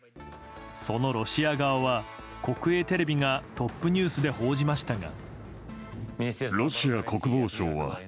そのロシア側は、国営テレビがトップニュースで報じましたが。